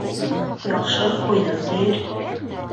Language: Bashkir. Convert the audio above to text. Яҡшы «ҡуйҙым» тиер.